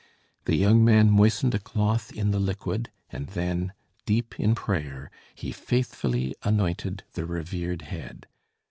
The young man moistened a cloth in the liquid and then, deep in prayer, he faithfully anointed the revered head.